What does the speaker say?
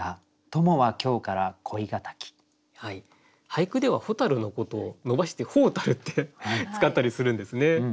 俳句では蛍のことを伸ばして「ほうたる」って使ったりするんですね。